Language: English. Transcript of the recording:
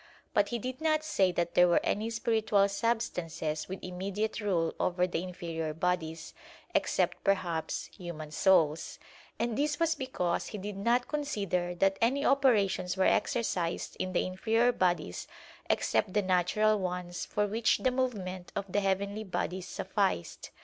But he did not say that there were any spiritual substances with immediate rule over the inferior bodies, except perhaps human souls; and this was because he did not consider that any operations were exercised in the inferior bodies except the natural ones for which the movement of the heavenly bodies sufficed.